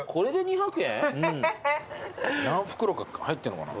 何袋か入ってんのかな。